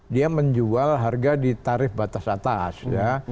dia menjual harga di tarif batas atas ya